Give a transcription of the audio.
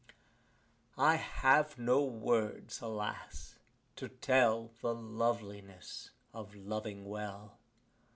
I have no words alas! to tell The loveliness of loving well!